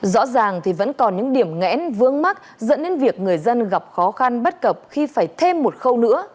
rõ ràng thì vẫn còn những điểm nghẽn vương mắc dẫn đến việc người dân gặp khó khăn bất cập khi phải thêm một khâu nữa